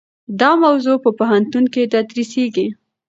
دا موضوع په پوهنتون کې تدریسیږي.